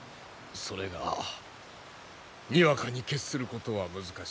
それがにわかに決することは難しい。